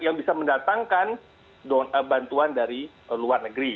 yang bisa mendatangkan bantuan dari luar negeri